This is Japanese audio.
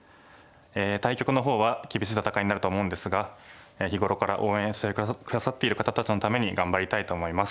対局の方は厳しい戦いになると思うんですが日頃から応援して下さっている方たちのために頑張りたいと思います。